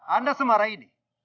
anda semara ini